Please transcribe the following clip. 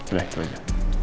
udah itu aja